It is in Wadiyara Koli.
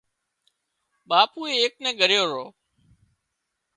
ٻاپوئي ايڪ نين ڳريو رو